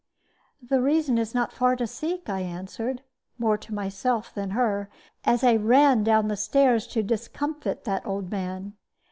"The reason is not far to seek," I answered, more to myself than her, as I ran down the stairs to discomfit that old man.